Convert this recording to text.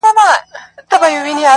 په امان له هر مرضه په تن جوړ ؤ,